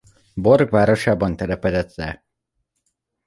Borg városában telepedett le.